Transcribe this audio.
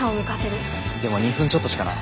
でも２分ちょっとしかない。